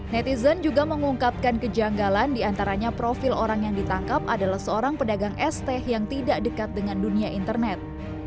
netizen juga mengungkapkan kejanggalan diantaranya profil orang yang ditangkap adalah seorang pedagang st yang tidak dekat dengan dunia internet